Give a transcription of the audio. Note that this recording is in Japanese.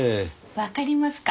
わかりますか？